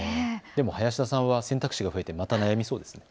林田さんは選択肢が増えてまた悩みそうですね。